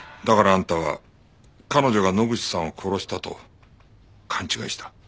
だからあんたは彼女が野口さんを殺したと勘違いした。